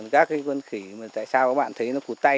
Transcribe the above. các quân khỉ tại sao các bạn thấy nó cụt tay